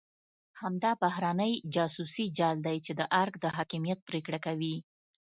همدا بهرنی جاسوسي جال دی چې د ارګ د حاکمیت پرېکړه کوي.